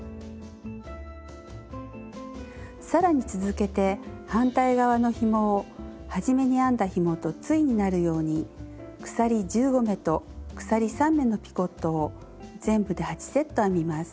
更に続けて反対側のひもをはじめに編んだひもと対になるように鎖１５目と鎖３目のピコットを全部で８セット編みます。